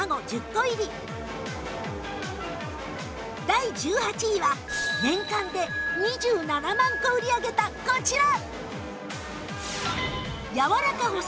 第１８位は年間で２７万個売り上げたこちら！